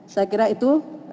saya kira itu